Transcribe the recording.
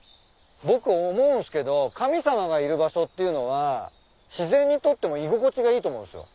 僕思うんすけど神様がいる場所っていうのは自然にとっても居心地がいいと思うんすよ。